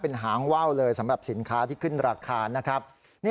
เป็นหางว่าวเลยสำหรับสินค้าที่ขึ้นราคานะครับ